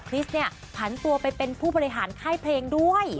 ริสเนี่ยผันตัวไปเป็นผู้บริหารค่ายเพลงด้วย